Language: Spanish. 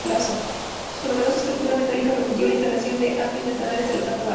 Su novedosa estructura metálica permitió la instalación de amplios ventanales en la planta baja.